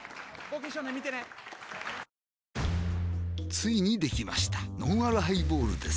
ついにできましたのんあるハイボールです